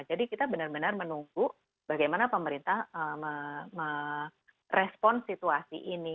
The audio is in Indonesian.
jadi kita benar benar menunggu bagaimana pemerintah merespons situasi ini